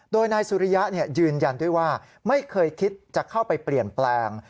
โดยนายสุริยะยืนยันด้วยว่าไม่เคยคิดจะเข้าไปเปลี่ยนแปลง